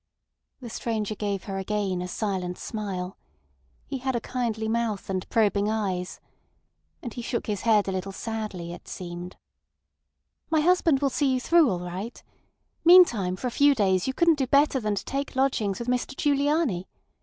The stranger gave her again a silent smile. He had a kindly mouth and probing eyes. And he shook his head a little sadly, it seemed. "My husband will see you through all right. Meantime for a few days you couldn't do better than take lodgings with Mr Giugliani.